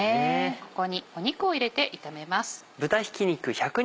ここに肉を入れて炒めます。